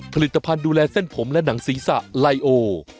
ผลิตภัณฑ์ดูแลเส้นผมและหนังศีรษะไลโอ